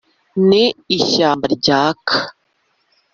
ni ishyamba ryaka